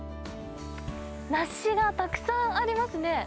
梨がたくさんありますね。